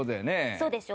そうでしょ？